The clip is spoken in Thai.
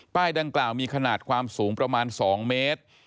ดังกล่าวมีขนาดความสูงประมาณ๒เมตร